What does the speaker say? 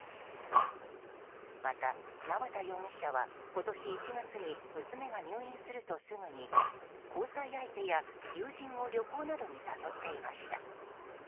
また、縄田容疑者は今年１月に娘が入院するとすぐに、交際相手や友人を旅行などに誘っていました。